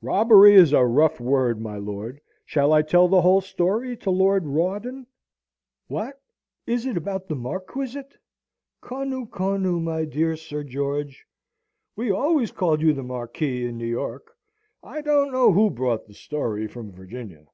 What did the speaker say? "Robbery is a rough word, my lord. Shall I tell the whole story to Lord Rawdon?" "What, is it about the Marquisate? Connu, connu, my dear Sir George! We always called you the Marquis in New York. I don't know who brought the story from Virginia."